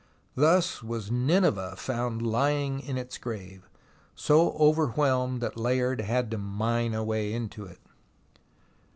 Thus was Nineveh found lying in its grave, so overwhelmed that Layard had to mine a way into it.